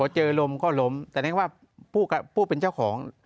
เจอลมก็ล้มแต่นึกว่าผู้เป็นเจ้าของ